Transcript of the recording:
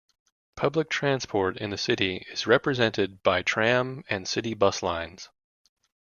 Public transport in the city is represented by tram and city bus lines.